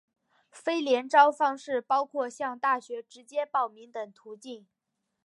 非联招方式包括向大学直接报名等途径。